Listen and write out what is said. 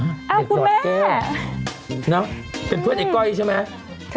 อ้าวคุณแม่เนอะเป็นเพื่อนเด็กก้อยใช่ไหมครับ